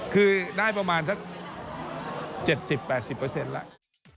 คือได้ประมาณสัก๗๐๘๐เปอร์เซ็นต์แหละ